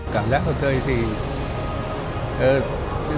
cảm giác hồi cơ thì